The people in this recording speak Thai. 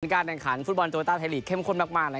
การการขันฟุตบอลโตเตอร์ไทยลีกเข้มข้นมากนะครับ